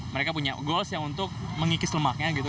mereka punya goals yang untuk mengikis lemaknya gitu